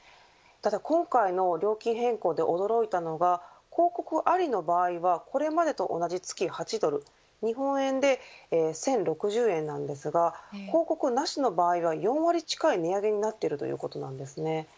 ただ今回の料金変更で驚いたのが広告ありの場合はこれまでと同じ月８ドル日本円で１０６０円なんですが広告なしの場合は４割近い値上げになっているということなんです。